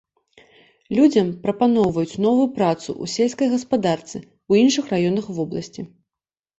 Людзям прапаноўваюць новую працу ў сельскай гаспадарцы ў іншых раёнах вобласці.